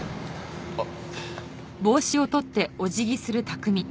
あっ。